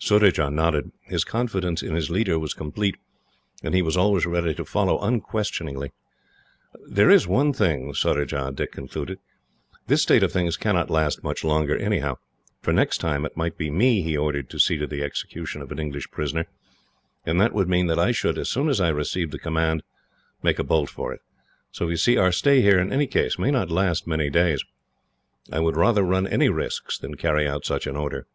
Surajah nodded. His confidence in his leader was complete, and he was always ready to follow unquestioningly. "There is one thing, Surajah," Dick concluded. "This state of things cannot last much longer, anyhow, for next time it might be me he ordered to see to the execution of an English prisoner, and that would mean that I should, as soon as I received the command, make a bolt for it. So you see our stay here, in any case, may not last many days. I would rather run any risks than carry out such an order."